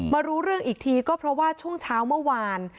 มารู้เรื่องอีกทีก็เพราะว่าช่วงเช้าเมื่อวาน